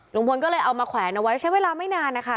ลุงพลก็เลยเอามาแขวนเอาไว้ใช้เวลาไม่นานนะคะ